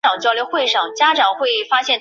宋史演义共有一百回。